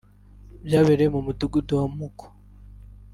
Byabereye mu Mudugudu wa Muko